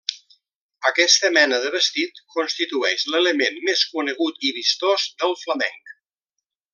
Aquesta mena de vestit constitueix l'element més conegut i vistós del flamenc.